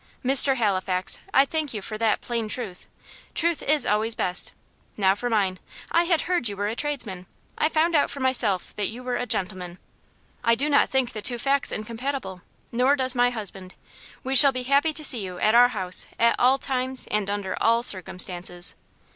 "Mr. Halifax, I thank you for that 'plain truth.' Truth is always best. Now for mine. I had heard you were a tradesman; I found out for myself that you were a gentleman. I do not think the two facts incompatible, nor does my husband. We shall be happy to see you at our house at all times and under all circumstances."